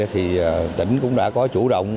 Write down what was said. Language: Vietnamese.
thì tỉnh cũng đã có chủ động